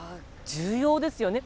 重要ですよね。